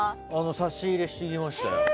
差し入れしてきましたよ。